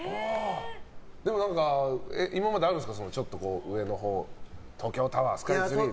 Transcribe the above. でも、今まであるんですかちょっと上のほう東京タワー、スカイツリー。